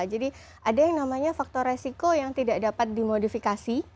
jadi ada yang namanya faktor resiko yang tidak dapat dimodifikasi